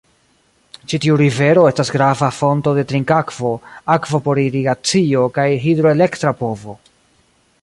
Ĉi tiu rivero estas grava fonto de trinkakvo, akvo por irigacio, kaj hidroelektra povo.